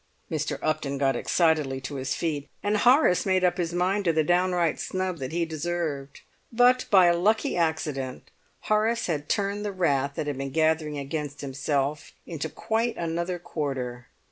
Mr. Upton got excitedly to his feet, and Horace made up his mind to the downright snub that he deserved. But by a lucky accident Horace had turned the wrath that had been gathering against himself into quite another quarter.